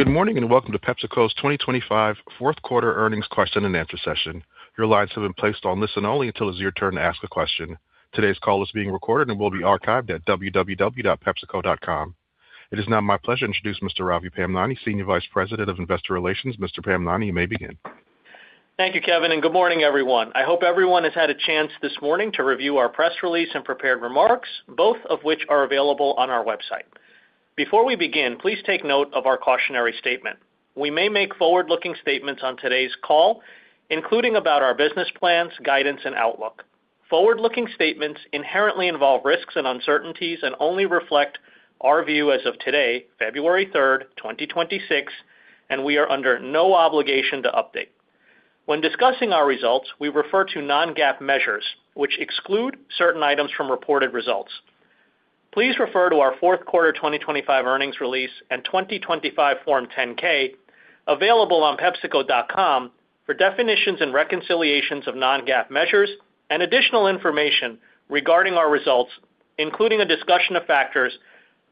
Good morning and welcome to PepsiCo's 2025 Fourth-Quarter Earnings Question-and-Answer Session. Your lines have been placed on listen-only until it's your turn to ask a question. Today's call is being recorded and will be archived at www.pepsico.com. It is now my pleasure to introduce Mr. Ravi Pamnani, Senior Vice President of Investor Relations. Mr. Pamnani, you may begin. Thank you, Kevin, and good morning, everyone. I hope everyone has had a chance this morning to review our press release and prepared remarks, both of which are available on our website. Before we begin, please take note of our cautionary statement. We may make forward-looking statements on today's call, including about our business plans, guidance, and outlook. Forward-looking statements inherently involve risks and uncertainties and only reflect our view as of today, February 3rd, 2026, and we are under no obligation to update. When discussing our results, we refer to non-GAAP measures, which exclude certain items from reported results. Please refer to our fourth-quarter 2025 earnings release and 2025 Form 10-K available on PepsiCo.com for definitions and reconciliations of non-GAAP measures and additional information regarding our results, including a discussion of factors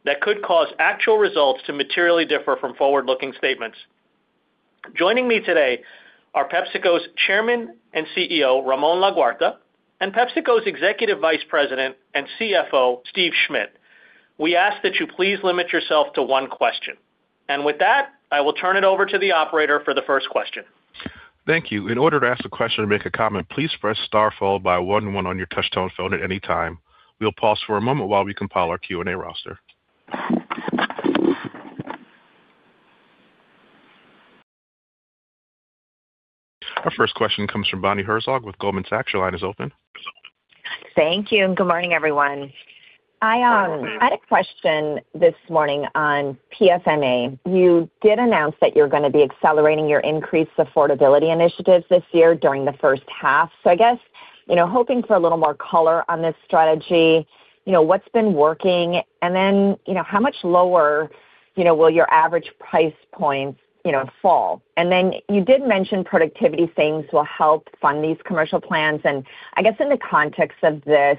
that could cause actual results to materially differ from forward-looking statements. Joining me today are PepsiCo's Chairman and CEO Ramon Laguarta and PepsiCo's Executive Vice President and CFO Steve Schmitt. We ask that you please limit yourself to one question. With that, I will turn it over to the operator for the first question. Thank you. In order to ask a question or make a comment, please press star followed by one one one on your touch-tone phone at any time. We'll pause for a moment while we compile our Q&A roster. Our first question comes from Bonnie Herzog with Goldman Sachs. Your line is open. Thank you and good morning, everyone. I had a question this morning on PFNA. You did announce that you're going to be accelerating your increased affordability initiatives this year during the first half. So I guess hoping for a little more color on this strategy, what's been working, and then how much lower will your average price points fall? And then you did mention productivity things will help fund these commercial plans. And I guess in the context of this,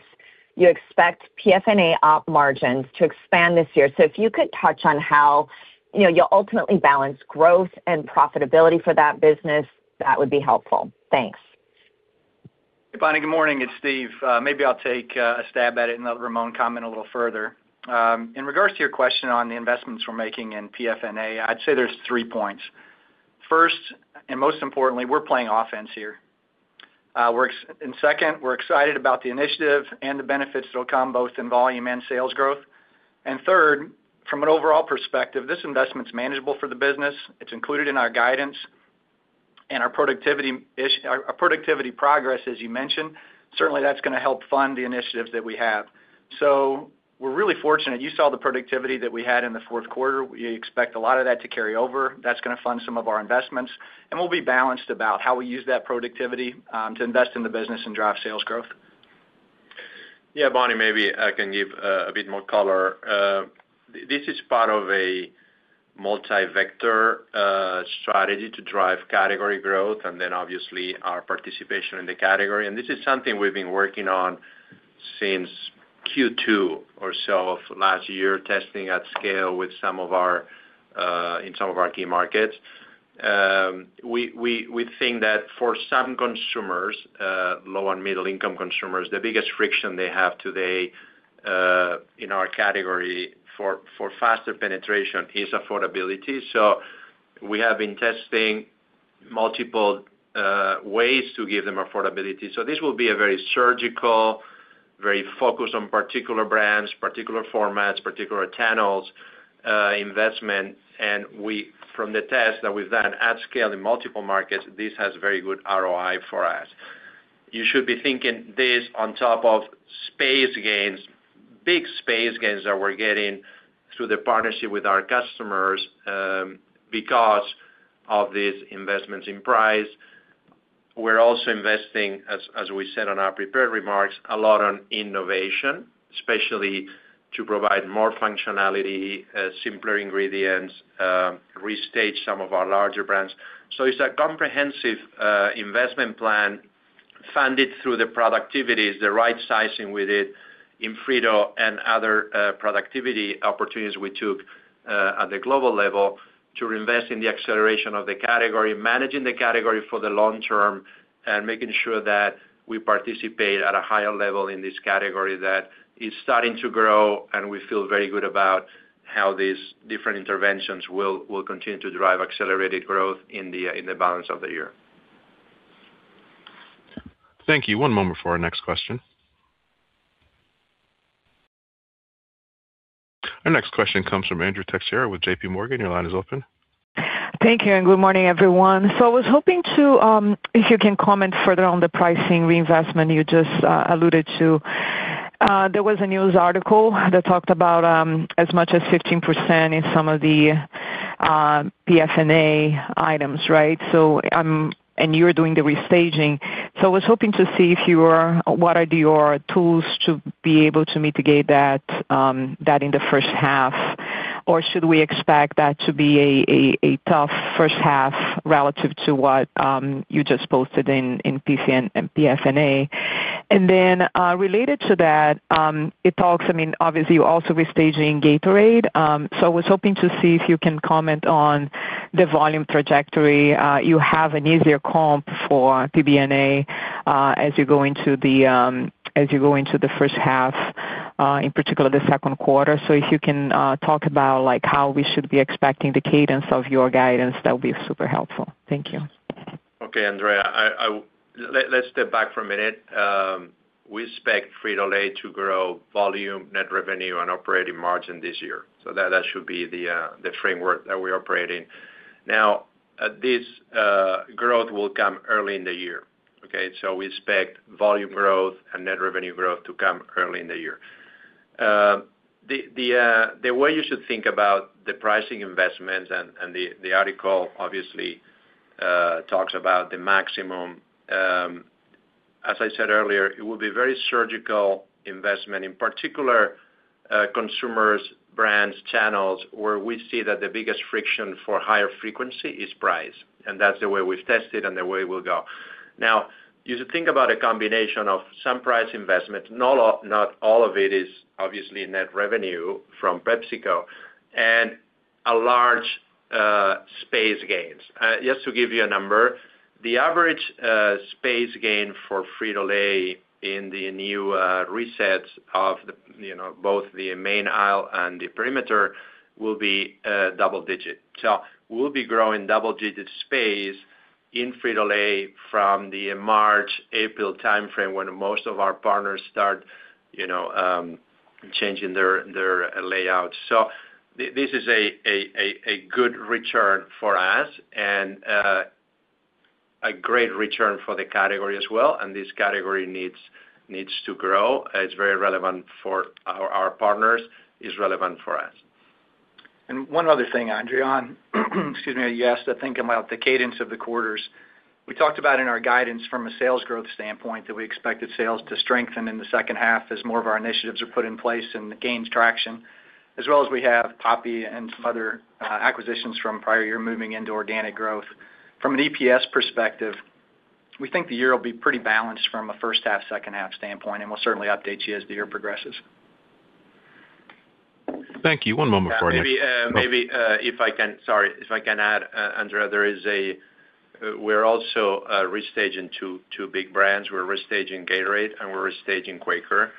you expect PFNA op margins to expand this year. So if you could touch on how you'll ultimately balance growth and profitability for that business, that would be helpful. Thanks. Bonnie, good morning. It's Steve. Maybe I'll take a stab at it and let Ramon comment a little further. In regards to your question on the investments we're making in PFNA, I'd say there's three points. First and most importantly, we're playing offense here. Second, we're excited about the initiative and the benefits that'll come both in volume and sales growth. Third, from an overall perspective, this investment's manageable for the business. It's included in our guidance. Our productivity progress, as you mentioned, certainly that's going to help fund the initiatives that we have. We're really fortunate. You saw the productivity that we had in the fourth quarter. We expect a lot of that to carry over. That's going to fund some of our investments. We'll be balanced about how we use that productivity to invest in the business and drive sales growth. Yeah, Bonnie, maybe I can give a bit more color. This is part of a multi-vector strategy to drive category growth and then, obviously, our participation in the category. And this is something we've been working on since Q2 or so of last year, testing at scale in some of our key markets. We think that for some consumers, low and middle-income consumers, the biggest friction they have today in our category for faster penetration is affordability. So we have been testing multiple ways to give them affordability. So this will be a very surgical, very focused on particular brands, particular formats, particular channels investment. And from the tests that we've done at scale in multiple markets, this has very good ROI for us. You should be thinking this on top of space gains, big space gains that we're getting through the partnership with our customers because of these investments in price. We're also investing, as we said on our prepared remarks, a lot on innovation, especially to provide more functionality, simpler ingredients, restage some of our larger brands. So it's a comprehensive investment plan funded through the productivities, the right sizing with it, in Frito, and other productivity opportunities we took at the global level to reinvest in the acceleration of the category, managing the category for the long term, and making sure that we participate at a higher level in this category that is starting to grow, and we feel very good about how these different interventions will continue to drive accelerated growth in the balance of the year. Thank you. One moment for our next question. Our next question comes from Andrea Teixeira with J.P. Morgan. Your line is open. Thank you and good morning, everyone. So I was hoping to if you can comment further on the pricing reinvestment you just alluded to. There was a news article that talked about as much as 15% in some of the PFNA items, right? And you're doing the restaging. So I was hoping to see what are your tools to be able to mitigate that in the first half, or should we expect that to be a tough first half relative to what you just posted in PFNA? And then related to that, it talks, I mean, obviously, you're also restaging Gatorade. So I was hoping to see if you can comment on the volume trajectory. You have an easier comp for PBNA as you go into the first half, in particular, the second quarter. If you can talk about how we should be expecting the cadence of your guidance, that would be super helpful. Thank you. Okay, Andrea. Let's step back for a minute. We expect Frito-Lay to grow volume, net revenue, and operating margin this year. So that should be the framework that we're operating. Now, this growth will come early in the year, okay? So we expect volume growth and net revenue growth to come early in the year. The way you should think about the pricing investments and the article, obviously, talks about the maximum. As I said earlier, it would be very surgical investment, in particular, consumers, brands, channels, where we see that the biggest friction for higher frequency is price. And that's the way we've tested and the way it will go. Now, you should think about a combination of some price investments. Not all of it is, obviously, net revenue from PepsiCo and a large space gains. Just to give you a number, the average space gain for Frito-Lay in the new resets of both the main aisle and the perimeter will be double-digit. We'll be growing double-digit space in Frito-Lay from the March, April timeframe when most of our partners start changing their layout. This is a good return for us and a great return for the category as well. This category needs to grow. It's very relevant for our partners. It's relevant for us. And one other thing, Andrea. Excuse me. You asked to think about the cadence of the quarters. We talked about in our guidance from a sales growth standpoint that we expected sales to strengthen in the second half as more of our initiatives are put in place and gains traction, as well as we have Poppi and some other acquisitions from prior year moving into organic growth. From an EPS perspective, we think the year will be pretty balanced from a first-half, second-half standpoint. And we'll certainly update you as the year progresses. Thank you. One moment for a minute. If I can add, Andrea, we're also restaging two big brands. We're restaging Gatorade, and we're restaging Quaker.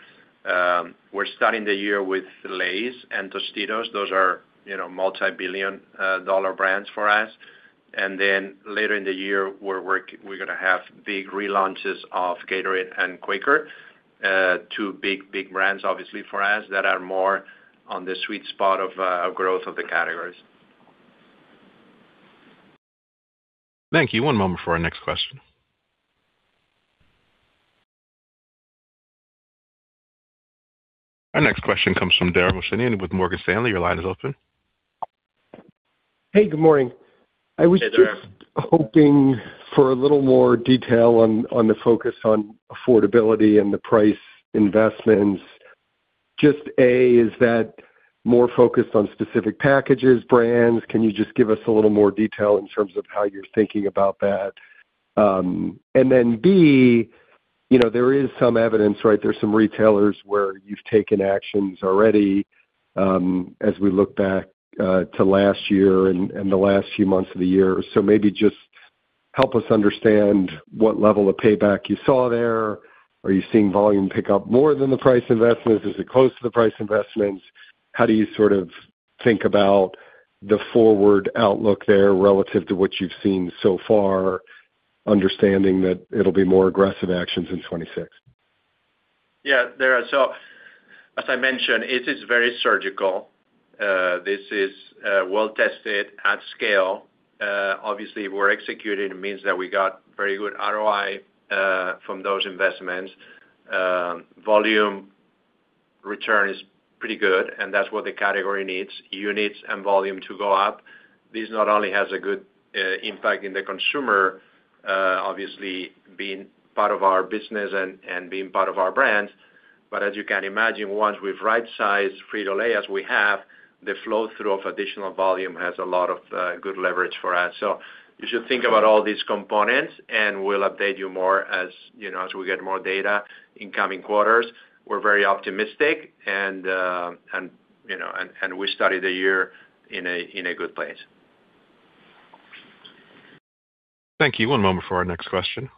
We're starting the year with Lay's and Tostitos. Those are multi-billion-dollar brands for us. And then later in the year, we're going to have big relaunches of Gatorade and Quaker, two big, big brands, obviously, for us that are more on the sweet spot of growth of the categories. Thank you. One moment for our next question. Our next question comes from Dara Mohsenian with Morgan Stanley. Your line is open. Hey, good morning. I was just hoping for a little more detail on the focus on affordability and the price investments. Just A, is that more focused on specific packages, brands? Can you just give us a little more detail in terms of how you're thinking about that? And then B, there is some evidence, right? There's some retailers where you've taken actions already as we look back to last year and the last few months of the year. So maybe just help us understand what level of payback you saw there. Are you seeing volume pick up more than the price investments? Is it close to the price investments? How do you sort of think about the forward outlook there relative to what you've seen so far, understanding that it'll be more aggressive actions in 2026? Yeah, there are. So as I mentioned, this is very surgical. This is well-tested at scale. Obviously, we're executing. It means that we got very good ROI from those investments. Volume return is pretty good, and that's what the category needs, units and volume to go up. This not only has a good impact in the consumer, obviously, being part of our business and being part of our brand, but as you can imagine, once we've right-sized Frito-Lay as we have, the flow-through of additional volume has a lot of good leverage for us. So you should think about all these components, and we'll update you more as we get more data in coming quarters. We're very optimistic, and we started the year in a good place. Thank you. One moment for our next question.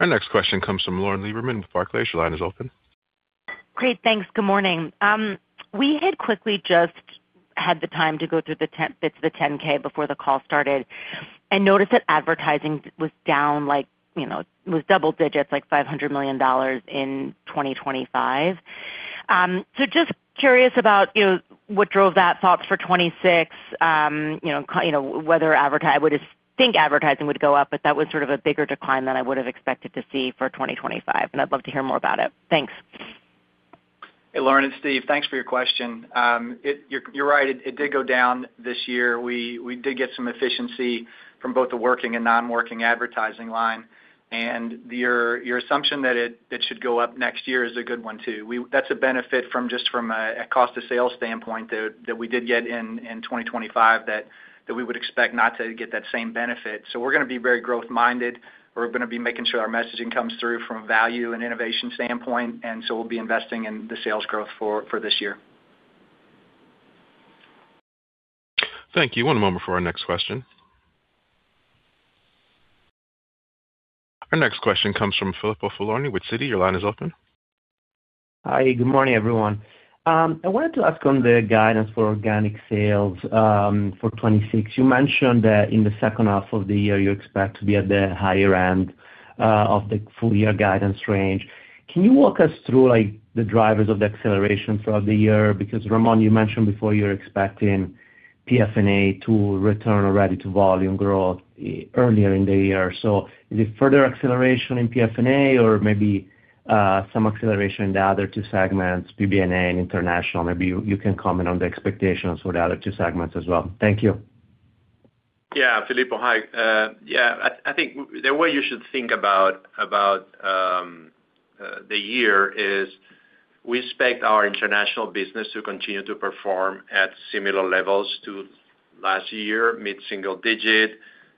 Our next question comes from Lauren Lieberman with Barclays. Your line is open. Great. Thanks. Good morning. We had quickly just had the time to go through the bits of the 10-K before the call started and noticed that advertising was down. It was double-digits, like $500 million in 2025. So just curious about what drove that, thoughts for 2026, whether I would think advertising would go up, but that was sort of a bigger decline than I would have expected to see for 2025. And I'd love to hear more about it. Thanks. Hey, Lauren and Steve. Thanks for your question. You're right. It did go down this year. We did get some efficiency from both the working and non-working advertising line. And your assumption that it should go up next year is a good one too. That's a benefit just from a cost-to-sale standpoint that we did get in 2025 that we would expect not to get that same benefit. So we're going to be very growth-minded. We're going to be making sure our messaging comes through from a value and innovation standpoint. And so we'll be investing in the sales growth for this year. Thank you. One moment for our next question. Our next question comes from Filippo Falorni with Citi. Your line is open. Hi. Good morning, everyone. I wanted to ask on the guidance for organic sales for 2026. You mentioned that in the second half of the year, you expect to be at the higher end of the full-year guidance range. Can you walk us through the drivers of the acceleration throughout the year? Because, Ramon, you mentioned before you were expecting PFNA to return already to volume growth earlier in the year. So is it further acceleration in PFNA or maybe some acceleration in the other two segments, PBNA and international? Maybe you can comment on the expectations for the other two segments as well. Thank you. Yeah, Filippo, hi. Yeah, I think the way you should think about the year is we expect our international business to continue to perform at similar levels to last year, mid-single digit.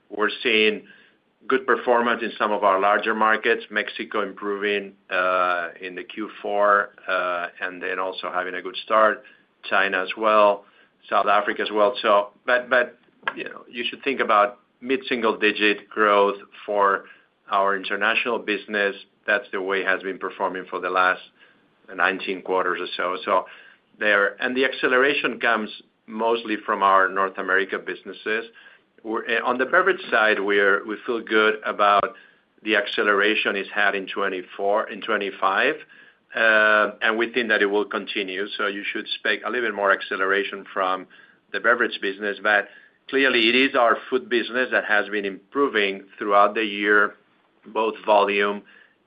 We're seeing good performance in some of our larger markets, Mexico improving in the Q4 and then also having a good start, China as well, South Africa as well. But you should think about mid-single digit growth for our international business. That's the way it has been performing for the last 19 quarters or so. And the acceleration comes mostly from our North America businesses. On the beverage side, we feel good about the acceleration it's had in 2024 and 2025. And we think that it will continue. So you should expect a little bit more acceleration from the beverage business. But clearly, it is our food business that has been improving throughout the year, both volume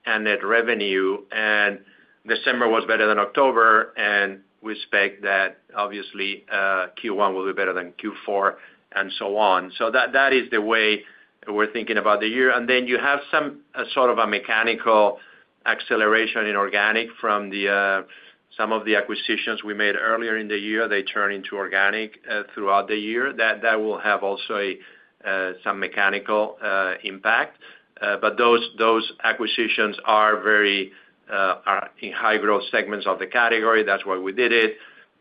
and net revenue. December was better than October. We expect that, obviously, Q1 will be better than Q4 and so on. That is the way we're thinking about the year. Then you have some sort of a mechanical acceleration in organic from some of the acquisitions we made earlier in the year. They turn into organic throughout the year. That will have also some mechanical impact. Those acquisitions are in high-growth segments of the category. That's why we did it.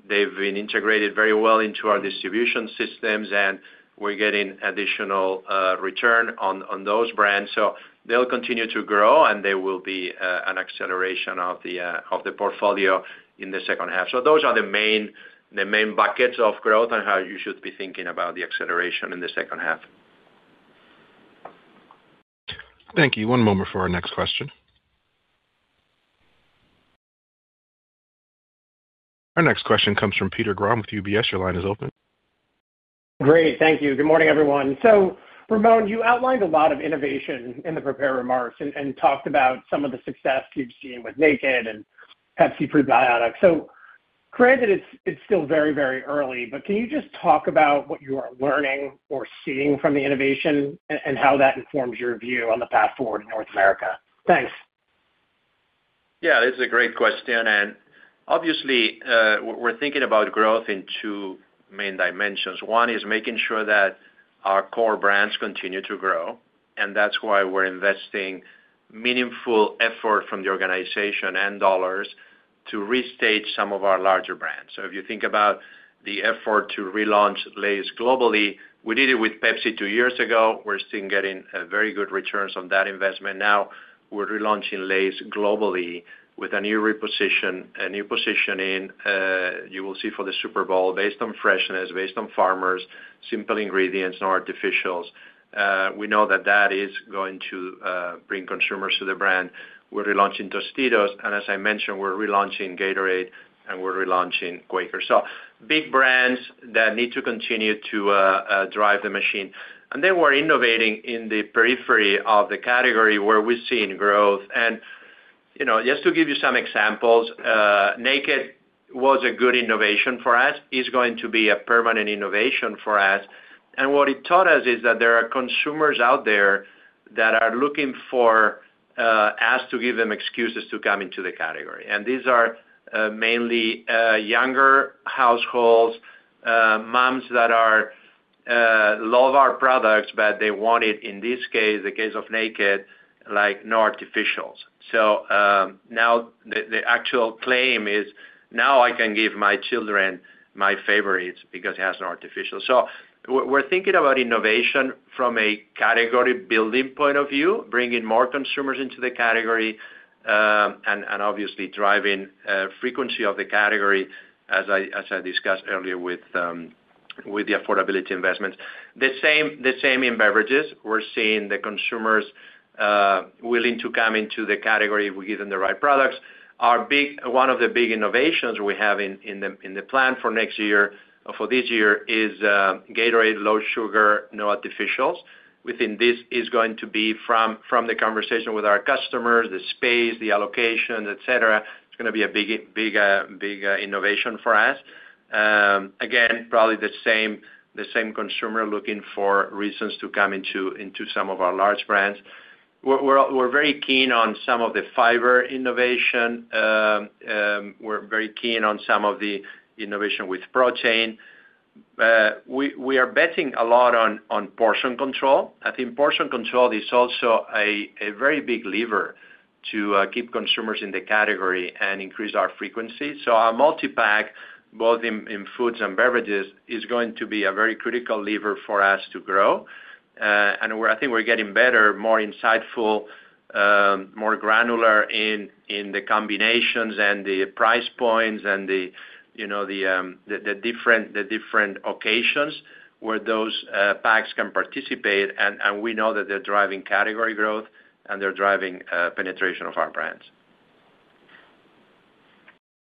They've been integrated very well into our distribution systems, and we're getting additional return on those brands. They'll continue to grow, and there will be an acceleration of the portfolio in the second half. So those are the main buckets of growth and how you should be thinking about the acceleration in the second half. Thank you. One moment for our next question. Our next question comes from Peter Grom with UBS. Your line is open. Great. Thank you. Good morning, everyone. So, Ramon, you outlined a lot of innovation in the prepared remarks and talked about some of the success you've seen with Naked and Pepsi prebiotics. So granted, it's still very, very early, but can you just talk about what you are learning or seeing from the innovation and how that informs your view on the path forward in North America? Thanks. Yeah, this is a great question. And obviously, we're thinking about growth in two main dimensions. One is making sure that our core brands continue to grow. And that's why we're investing meaningful effort from the organization and dollars to restage some of our larger brands. So if you think about the effort to relaunch Lay's globally, we did it with Pepsi two years ago. We're still getting very good returns on that investment. Now, we're relaunching Lay's globally with a new positioning, you will see, for the Super Bowl, based on freshness, based on farmers, simple ingredients, no artificials. We know that that is going to bring consumers to the brand. We're relaunching Tostitos. And as I mentioned, we're relaunching Gatorade, and we're relaunching Quaker. So big brands that need to continue to drive the machine. Then we're innovating in the periphery of the category where we're seeing growth. Just to give you some examples, Naked was a good innovation for us. It's going to be a permanent innovation for us. What it taught us is that there are consumers out there that are looking for us to give them excuses to come into the category. These are mainly younger households, moms that love our products, but they want it, in this case, the case of Naked, like no artificials. So now, the actual claim is, "Now I can give my children my favorites because it has no artificials." We're thinking about innovation from a category-building point of view, bringing more consumers into the category, and obviously, driving frequency of the category, as I discussed earlier with the affordability investments. The same in beverages. We're seeing the consumers willing to come into the category if we give them the right products. One of the big innovations we have in the plan for this year is Gatorade, low sugar, no artificials. Within this, it's going to be from the conversation with our customers, the space, the allocation, etc. It's going to be a big innovation for us. Again, probably the same consumer looking for reasons to come into some of our large brands. We're very keen on some of the fiber innovation. We're very keen on some of the innovation with protein. We are betting a lot on portion control. I think portion control is also a very big lever to keep consumers in the category and increase our frequency. So our multi-pack, both in foods and beverages, is going to be a very critical lever for us to grow. I think we're getting better, more insightful, more granular in the combinations and the price points and the different occasions where those packs can participate. And we know that they're driving category growth, and they're driving penetration of our brands.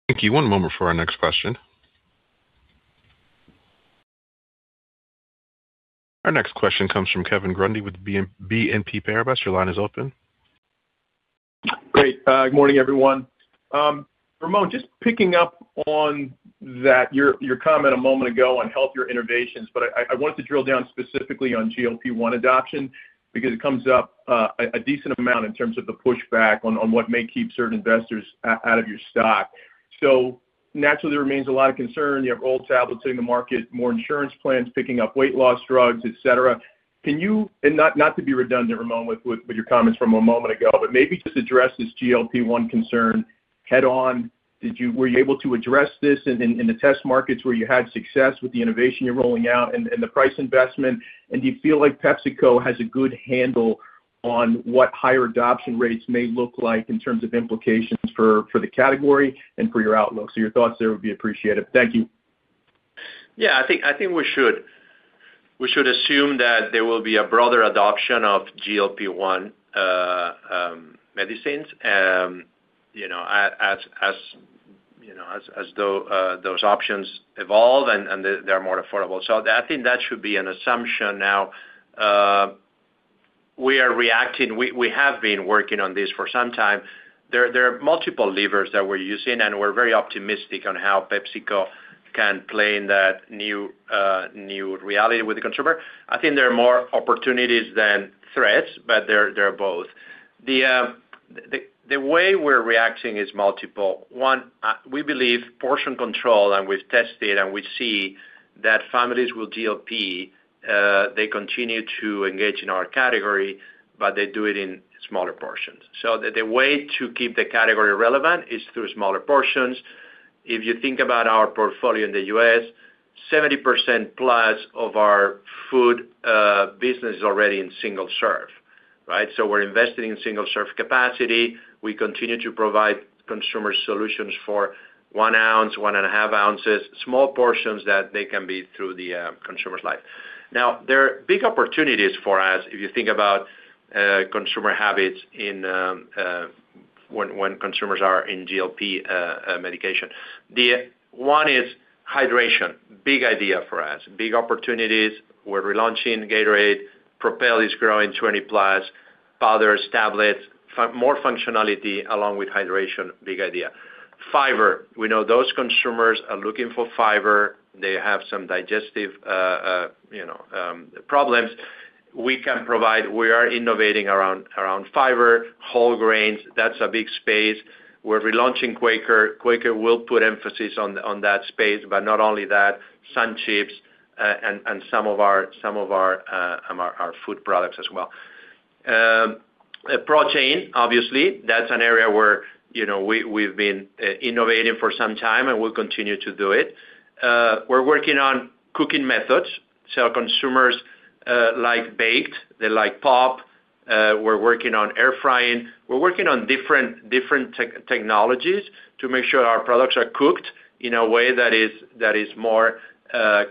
Thank you. One moment for our next question. Our next question comes from Kevin Grundy with BNP Paribas. Your line is open. Great. Good morning, everyone. Ramon, just picking up on your comment a moment ago on healthier innovations, but I wanted to drill down specifically on GLP-1 adoption because it comes up a decent amount in terms of the pushback on what may keep certain investors out of your stock. So naturally, there remains a lot of concern. You have oral tablets hitting the market, more insurance plans picking up weight loss drugs, etc. And not to be redundant, Ramon, with your comments from a moment ago, but maybe just address this GLP-1 concern head-on. Were you able to address this in the test markets where you had success with the innovation you're rolling out and the price investment? And do you feel like PepsiCo has a good handle on what higher adoption rates may look like in terms of implications for the category and for your outlook? Your thoughts there would be appreciated. Thank you. Yeah, I think we should assume that there will be a broader adoption of GLP-1 medicines as those options evolve and they're more affordable. So I think that should be an assumption now. We have been working on this for some time. There are multiple levers that we're using, and we're very optimistic on how PepsiCo can play in that new reality with the consumer. I think there are more opportunities than threats, but they're both. The way we're reacting is multiple. One, we believe portion control, and we've tested and we see that families with GLP, they continue to engage in our category, but they do it in smaller portions. So the way to keep the category relevant is through smaller portions. If you think about our portfolio in the US, 70%+ of our food business is already in single-serve, right? So we're investing in single-serve capacity. We continue to provide consumer solutions for one ounce, one and a half ounces, small portions that can be through the consumer's life. Now, there are big opportunities for us if you think about consumer habits when consumers are in GLP medication. One is hydration, big idea for us, big opportunities. We're relaunching Gatorade. Propel is growing 20+. Powders, tablets, more functionality along with hydration, big idea. Fiber. We know those consumers are looking for fiber. They have some digestive problems. We are innovating around fiber, whole grains. That's a big space. We're relaunching Quaker. Quaker will put emphasis on that space. But not only that, SunChips and some of our food products as well. Protein, obviously, that's an area where we've been innovating for some time, and we'll continue to do it. We're working on cooking methods. So consumers like baked. They like popped. We're working on air frying. We're working on different technologies to make sure our products are cooked in a way that is more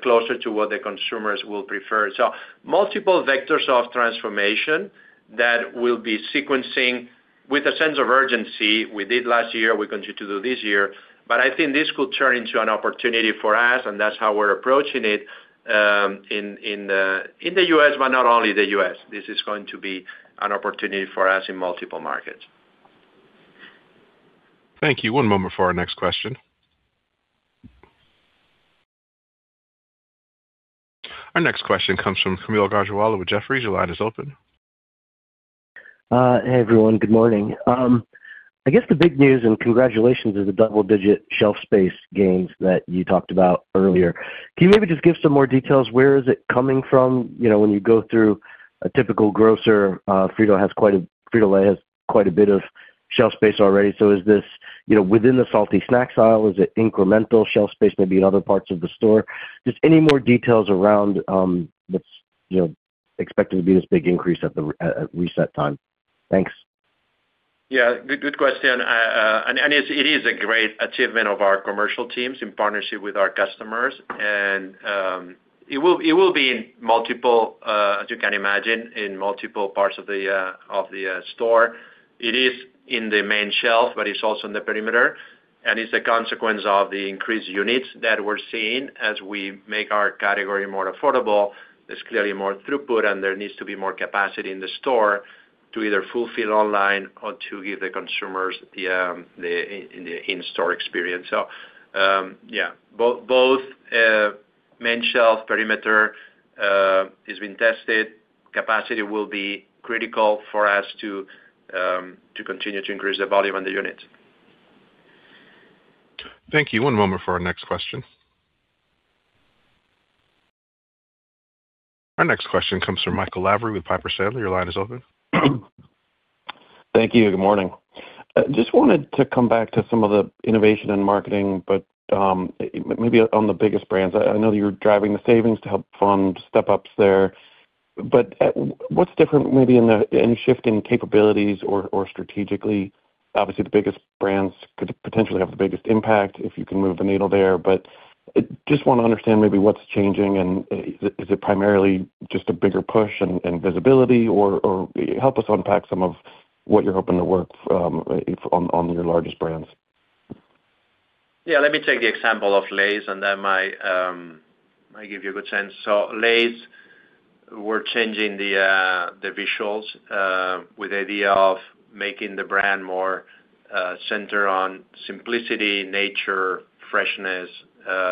closer to what the consumers will prefer. So multiple vectors of transformation that we'll be sequencing with a sense of urgency. We did last year. We continue to do this year. But I think this could turn into an opportunity for us, and that's how we're approaching it in the U.S., but not only the U.S. This is going to be an opportunity for us in multiple markets. Thank you. One moment for our next question. Our next question comes from Kaumil Gajrawala with Jefferies. Your line is open. Hey, everyone. Good morning. I guess the big news and congratulations are the double-digit shelf space gains that you talked about earlier. Can you maybe just give some more details? Where is it coming from when you go through a typical grocer? Frito-Lay has quite a bit of shelf space already. So is this within the salty snacks aisle? Is it incremental shelf space, maybe in other parts of the store? Just any more details around what's expected to be this big increase at reset time. Thanks. Yeah, good question. It is a great achievement of our commercial teams in partnership with our customers. It will be in multiple, as you can imagine, in multiple parts of the store. It is in the main shelf, but it's also in the perimeter. It's a consequence of the increased units that we're seeing as we make our category more affordable. There's clearly more throughput, and there needs to be more capacity in the store to either fulfill online or to give the consumers the in-store experience. So yeah, both main shelf, perimeter has been tested. Capacity will be critical for us to continue to increase the volume and the units. Thank you. One moment for our next question. Our next question comes from Michael Lavery with Piper Sandler. Your line is open. Thank you. Good morning. Just wanted to come back to some of the innovation and marketing, but maybe on the biggest brands. I know that you're driving the savings to help fund step-ups there. But what's different maybe in any shift in capabilities or strategically? Obviously, the biggest brands could potentially have the biggest impact if you can move the needle there. But just want to understand maybe what's changing, and is it primarily just a bigger push and visibility? Or help us unpack some of what you're hoping to work on your largest brands? Yeah, let me take the example of Lay's, and then I give you a good sense. So Lay's, we're changing the visuals with the idea of making the brand more centered on simplicity, nature, freshness,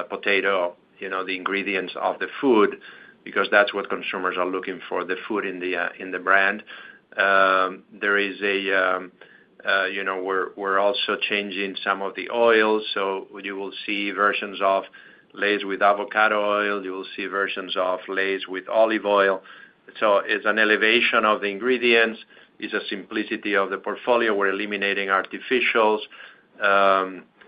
potato, the ingredients of the food because that's what consumers are looking for, the food in the brand. We're also changing some of the oils. So you will see versions of Lay's with avocado oil. You will see versions of Lay's with olive oil. So it's an elevation of the ingredients. It's a simplicity of the portfolio. We're eliminating artificials.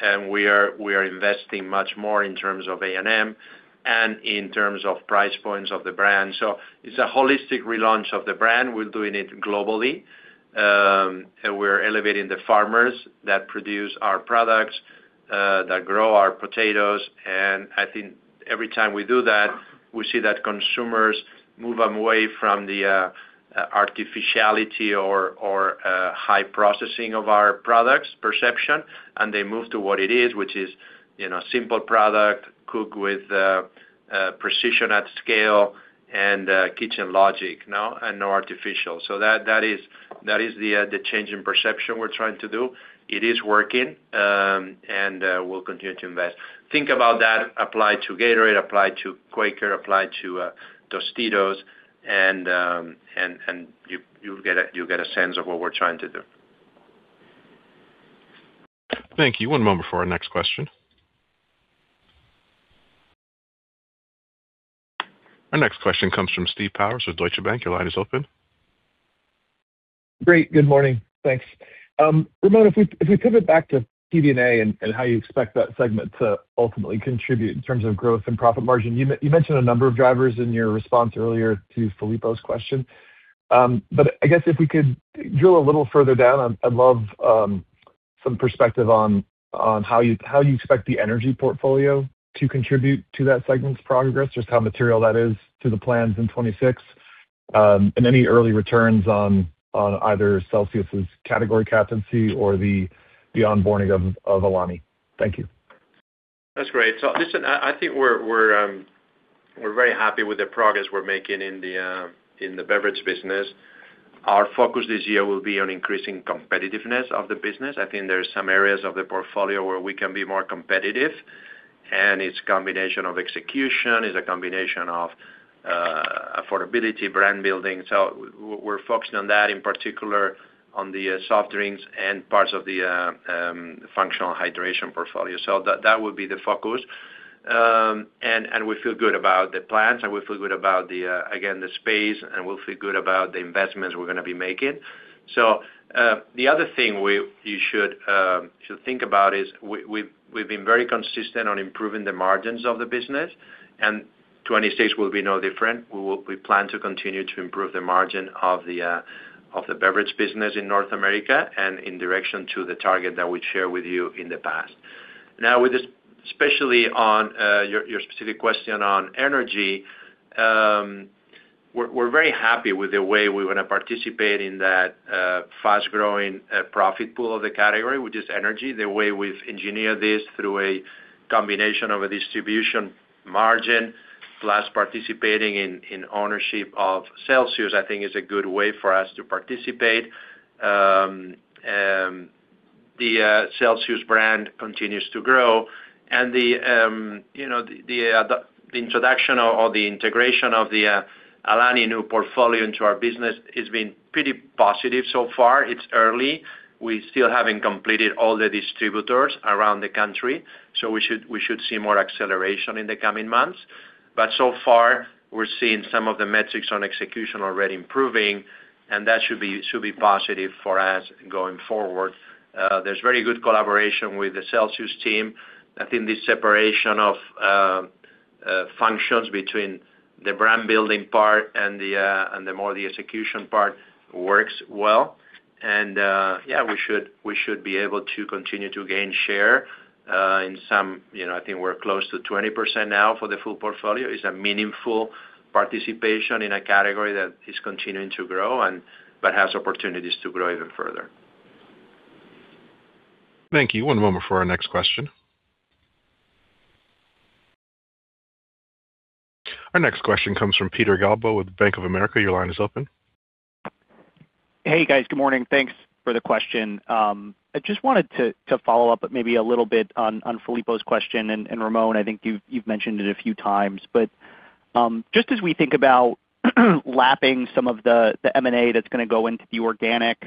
And we are investing much more in terms of A&M and in terms of price points of the brand. So it's a holistic relaunch of the brand. We're doing it globally. We're elevating the farmers that produce our products, that grow our potatoes. I think every time we do that, we see that consumers move away from the artificiality or high processing of our products perception, and they move to what it is, which is simple product, cooked with precision at scale and kitchen logic, and no artificial. That is the change in perception we're trying to do. It is working, and we'll continue to invest. Think about that, apply to Gatorade, apply to Quaker, apply to Tostitos, and you'll get a sense of what we're trying to do. Thank you. One moment for our next question. Our next question comes from Steve Powers with Deutsche Bank. Your line is open. Great. Good morning. Thanks. Ramon, if we pivot back to PBNA and how you expect that segment to ultimately contribute in terms of growth and profit margin, you mentioned a number of drivers in your response earlier to Filippo's question. But I guess if we could drill a little further down, I'd love some perspective on how you expect the energy portfolio to contribute to that segment's progress, just how material that is to the plans in 2026, and any early returns on either Celsius's category capacity or the onboarding of Alani Nu. Thank you. That's great. So listen, I think we're very happy with the progress we're making in the beverage business. Our focus this year will be on increasing competitiveness of the business. I think there are some areas of the portfolio where we can be more competitive. And it's a combination of execution. It's a combination of affordability, brand building. So we're focusing on that, in particular, on the soft drinks and parts of the functional hydration portfolio. So that would be the focus. And we feel good about the plans, and we feel good about, again, the space, and we'll feel good about the investments we're going to be making. So the other thing you should think about is we've been very consistent on improving the margins of the business. And 2026 will be no different. We plan to continue to improve the margin of the beverage business in North America and in direction to the target that we shared with you in the past. Now, especially on your specific question on energy, we're very happy with the way we're going to participate in that fast-growing profit pool of the category, which is energy. The way we've engineered this through a combination of a distribution margin plus participating in ownership of Celsius, I think, is a good way for us to participate. The Celsius brand continues to grow. And the introduction or the integration of the Alani Nu portfolio into our business has been pretty positive so far. It's early. We still haven't completed all the distributors around the country. So we should see more acceleration in the coming months. But so far, we're seeing some of the metrics on execution already improving, and that should be positive for us going forward. There's very good collaboration with the Celsius team. I think this separation of functions between the brand-building part and more the execution part works well. And yeah, we should be able to continue to gain share in some. I think we're close to 20% now for the full portfolio. It's a meaningful participation in a category that is continuing to grow but has opportunities to grow even further. Thank you. One moment for our next question. Our next question comes from Peter Galbo with Bank of America. Your line is open. Hey, guys. Good morning. Thanks for the question. I just wanted to follow up maybe a little bit on Filippo's question. And Ramon, I think you've mentioned it a few times. But just as we think about lapping some of the M&A that's going to go into the organic,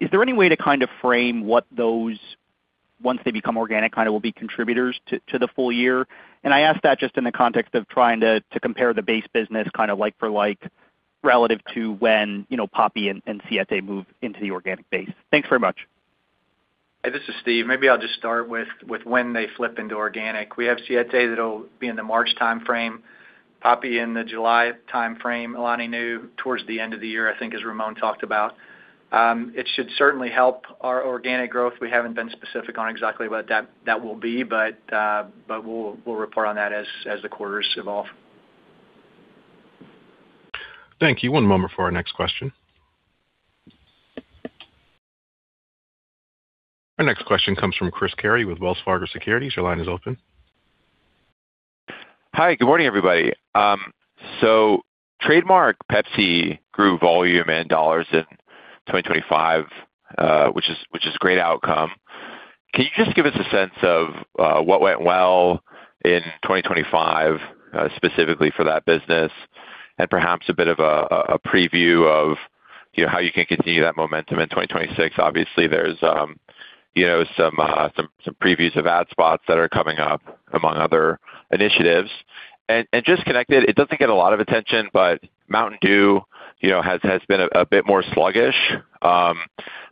is there any way to kind of frame what those, once they become organic, kind of will be contributors to the full year? And I asked that just in the context of trying to compare the base business kind of like-for-like relative to when Poppi and Siete move into the organic base. Thanks very much. Hey, this is Steve. Maybe I'll just start with when they flip into organic. We have Siete that'll be in the March timeframe, Poppi in the July timeframe, Alani Nu towards the end of the year, I think, as Ramon talked about. It should certainly help our organic growth. We haven't been specific on exactly what that will be, but we'll report on that as the quarters evolve. Thank you. One moment for our next question. Our next question comes from Chris Carey with Wells Fargo Securities. Your line is open. Hi. Good morning, everybody. So trademark Pepsi grew volume in dollars in 2025, which is a great outcome. Can you just give us a sense of what went well in 2025, specifically for that business, and perhaps a bit of a preview of how you can continue that momentum in 2026? Obviously, there's some previews of ad spots that are coming up among other initiatives. And just connected, it doesn't get a lot of attention, but Mountain Dew has been a bit more sluggish.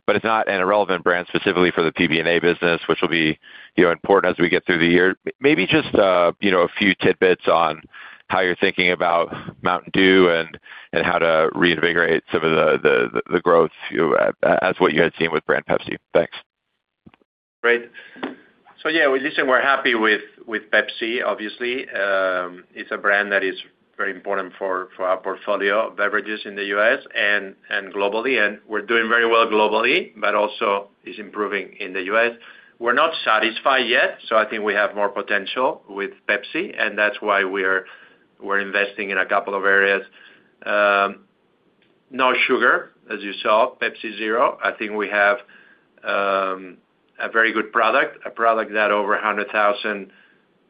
But it's not an irrelevant brand, specifically for the PBNA business, which will be important as we get through the year. Maybe just a few tidbits on how you're thinking about Mountain Dew and how to reinvigorate some of the growth as what you had seen with brand Pepsi. Thanks. Great. So yeah, listen, we're happy with Pepsi, obviously. It's a brand that is very important for our portfolio beverages in the U.S. and globally. And we're doing very well globally, but also it's improving in the U.S. We're not satisfied yet, so I think we have more potential with Pepsi, and that's why we're investing in a couple of areas. No sugar, as you saw, Pepsi Zero. I think we have a very good product, a product that over 100,000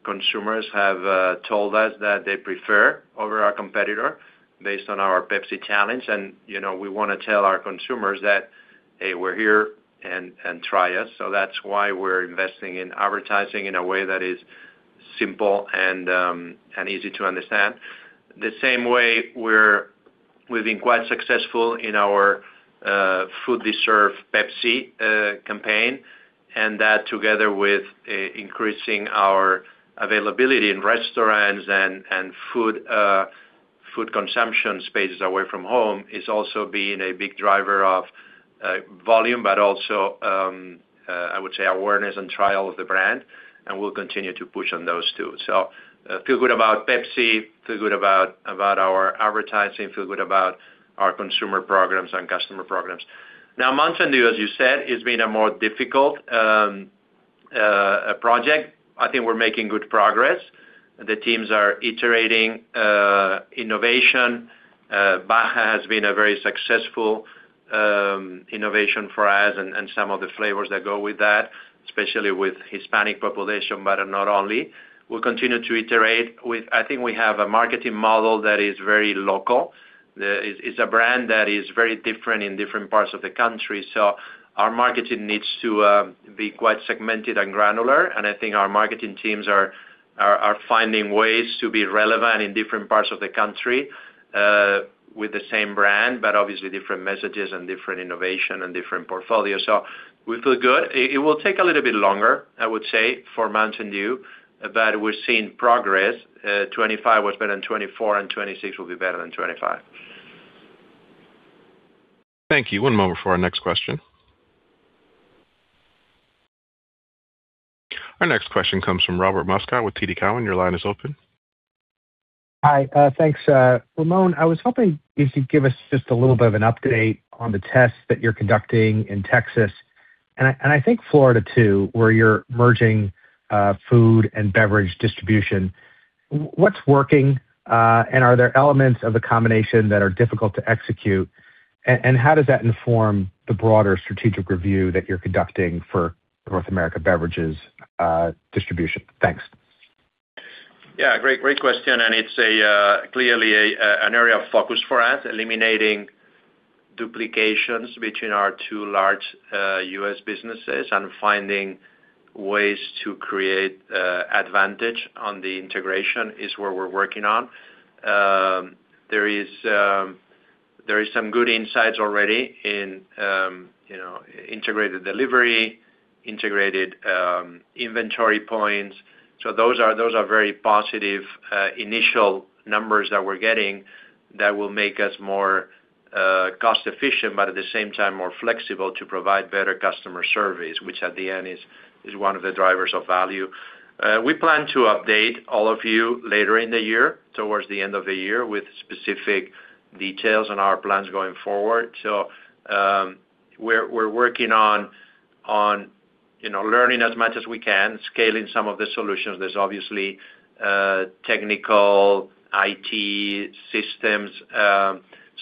consumers have told us that they prefer over our competitor based on our Pepsi challenge. And we want to tell our consumers that, "Hey, we're here, and try us." So that's why we're investing in advertising in a way that is simple and easy to understand. The same way, we've been quite successful in our food service Pepsi campaign. And that, together with increasing our availability in restaurants and food consumption spaces away from home, is also being a big driver of volume, but also, I would say, awareness and trial of the brand. And we'll continue to push on those two. So feel good about Pepsi. Feel good about our advertising. Feel good about our consumer programs and customer programs. Now, Mountain Dew, as you said, has been a more difficult project. I think we're making good progress. The teams are iterating innovation. Baja has been a very successful innovation for us and some of the flavors that go with that, especially with Hispanic population, but not only. We'll continue to iterate with I think we have a marketing model that is very local. It's a brand that is very different in different parts of the country. So our marketing needs to be quite segmented and granular. And I think our marketing teams are finding ways to be relevant in different parts of the country with the same brand, but obviously, different messages and different innovation and different portfolio. So we feel good. It will take a little bit longer, I would say, for Mountain Dew, but we're seeing progress. 2025 was better than 2024, and 2026 will be better than 2025. Thank you. One moment for our next question. Our next question comes from Robert Moskow with TD Cowen. Your line is open. Hi. Thanks, Ramon. I was hoping you could give us just a little bit of an update on the tests that you're conducting in Texas and I think Florida too where you're merging food and beverage distribution. What's working, and are there elements of the combination that are difficult to execute? And how does that inform the broader strategic review that you're conducting for North America beverages distribution? Thanks. Yeah, great question. It's clearly an area of focus for us. Eliminating duplications between our two large U.S. businesses and finding ways to create advantage on the integration is where we're working on. There are some good insights already in integrated delivery, integrated inventory points. Those are very positive initial numbers that we're getting that will make us more cost-efficient, but at the same time, more flexible to provide better customer service, which at the end is one of the drivers of value. We plan to update all of you later in the year, towards the end of the year, with specific details on our plans going forward. We're working on learning as much as we can, scaling some of the solutions. There's obviously technical IT systems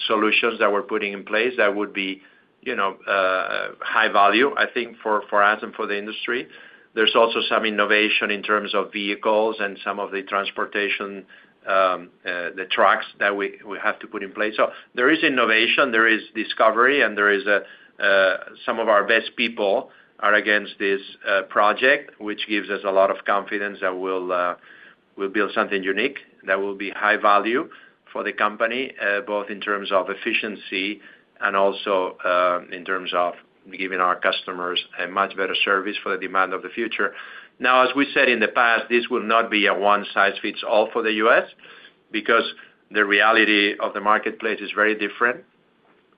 solutions that we're putting in place that would be high value, I think, for us and for the industry. There's also some innovation in terms of vehicles and some of the transportation, the trucks that we have to put in place. So there is innovation. There is discovery, and some of our best people are against this project, which gives us a lot of confidence that we'll build something unique that will be high value for the company, both in terms of efficiency and also in terms of giving our customers a much better service for the demand of the future. Now, as we said in the past, this will not be a one-size-fits-all for the U.S. because the reality of the marketplace is very different.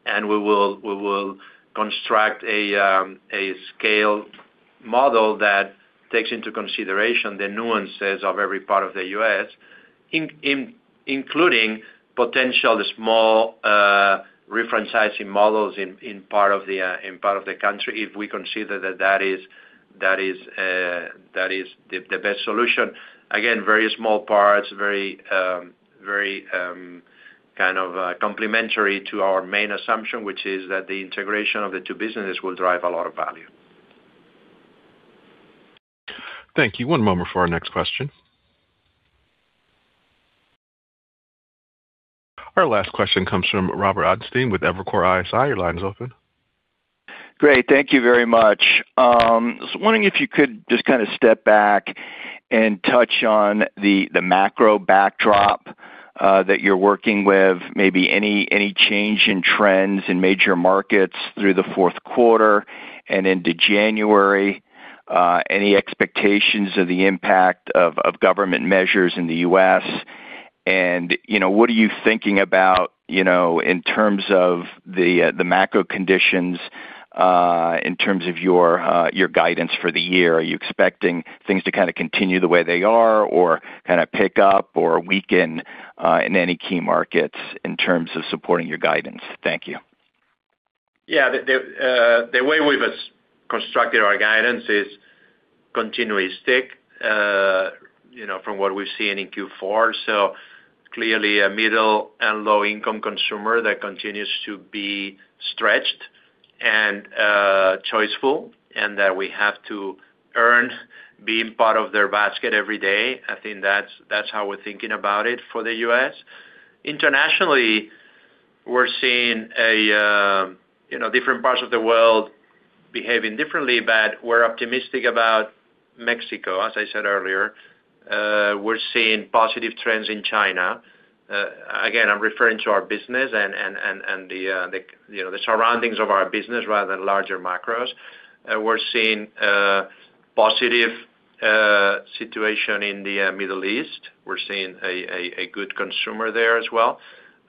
We will construct a scale model that takes into consideration the nuances of every part of the U.S., including potential small refranchising models in part of the country if we consider that that is the best solution. Again, very small parts, very kind of complementary to our main assumption, which is that the integration of the two businesses will drive a lot of value. Thank you. One moment for our next question. Our last question comes from Robert Ottenstein with Evercore ISI. Your line is open. Great. Thank you very much. I was wondering if you could just kind of step back and touch on the macro backdrop that you're working with, maybe any change in trends in major markets through the fourth quarter and into January, any expectations of the impact of government measures in the U.S., and what are you thinking about in terms of the macro conditions, in terms of your guidance for the year? Are you expecting things to kind of continue the way they are or kind of pick up or weaken in any key markets in terms of supporting your guidance? Thank you. Yeah. The way we've constructed our guidance is consistent from what we've seen in Q4. So clearly, a middle and low-income consumer that continues to be stretched and choiceful and that we have to earn being part of their basket every day. I think that's how we're thinking about it for the U.S. Internationally, we're seeing different parts of the world behaving differently, but we're optimistic about Mexico, as I said earlier. We're seeing positive trends in China. Again, I'm referring to our business and the surroundings of our business rather than larger macros. We're seeing a positive situation in the Middle East. We're seeing a good consumer there as well,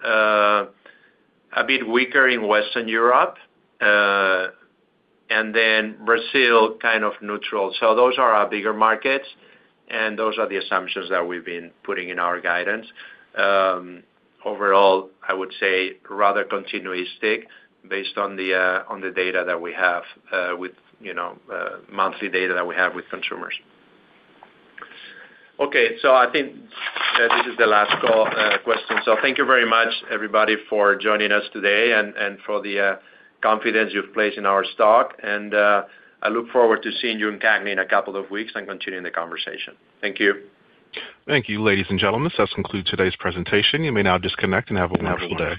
a bit weaker in Western Europe, and then Brazil kind of neutral. So those are our bigger markets, and those are the assumptions that we've been putting in our guidance. Overall, I would say rather continuistic based on the data that we have with monthly data that we have with consumers. Okay. So I think this is the last question. So thank you very much, everybody, for joining us today and for the confidence you've placed in our stock. And I look forward to seeing you in CAGNY in a couple of weeks and continuing the conversation. Thank you. Thank you, ladies and gentlemen. This concludes today's presentation. You may now disconnect and have a wonderful day.